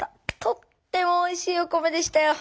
とってもおいしいお米でしたよ。